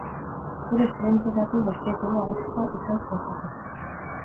Zure esperientzietatik besteek ere asko ikas dezakete.